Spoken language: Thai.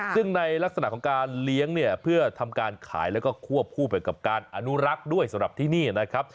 ซึ่งในลักษณะของการเลี้ยงเนี่ยเพื่อทำการขายแล้วก็ควบคู่ไปกับการอนุรักษ์ด้วยสำหรับที่นี่นะครับ